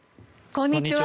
こんにちは。